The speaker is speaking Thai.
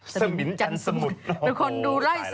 สมินจันสมุทร